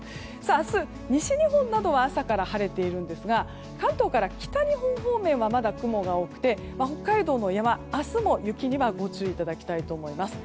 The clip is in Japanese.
明日、西日本などは朝から晴れているんですが関東から北日本方面はまだ雲が多くて北海道の山、明日も、雪にはご注意いただきたいと思います。